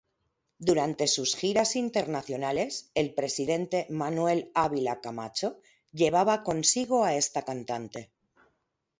Durante sus giras internacionales el presidente Manuel Ávila Camacho llevaba consigo a esta cantante.